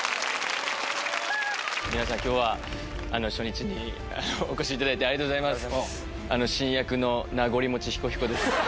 今日は初日にお越しいただいてありがとうございます。